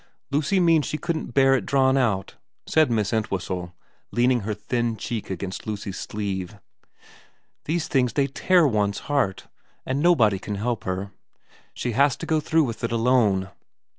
' Lucy means she couldn't bear it drawn out,' said Miss Entwhistle, leaning her thin cheek against Lucy's sleeve. * These things they tear one's heart. And nobody can help her. She has to go through with it alone.'